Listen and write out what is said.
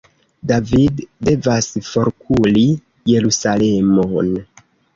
David devas forkuri Jerusalemon.